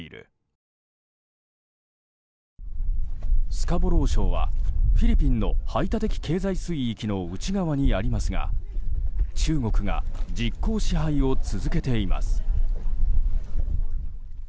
スカボロー礁はフィリピンの排他的経済水域の内側にありますが中国が実効支配を続けています。